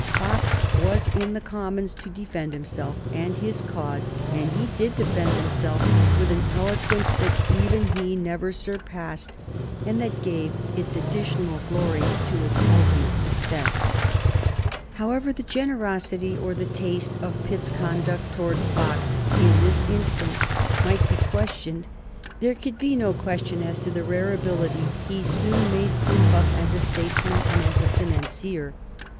Fox was in the Commons to defend himself and his cause, and he did defend himself with an eloquence that even he never surpassed, and that gave its additional glory to its ultimate success. [Sidenote: 1784 Pitt as a financier] However the generosity or the taste of Pitt's conduct towards Fox in this instance might be questioned, there could be no question as to the rare ability he soon made proof of as a statesman and as a financier.